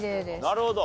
なるほど。